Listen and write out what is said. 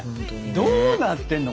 どうなってんの？